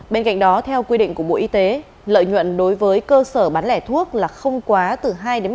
bên cạnh đó theo quy định của bộ y tế lợi nhuận đối với cơ sở bán lẻ thuốc là không quá từ hai một mươi